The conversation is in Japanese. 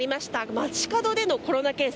街角でのコロナ検査。